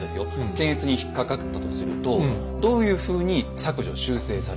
検閲に引っ掛かったとするとどういうふうに削除・修正されるか。